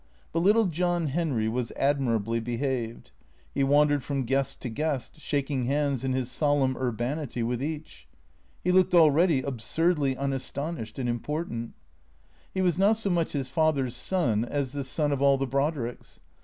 But little John Henry was admirably behaved. He wandered from guest to guest, shaking hands, in his solemn urbanity, with each. He looked already absurdly unastonished and important. He was not so much his father's son as the son of all the Brod ricks.